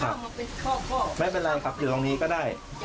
ข้าวข้าวมาเป็นข้อไม่เป็นไรครับเดินตรงนี้ก็ได้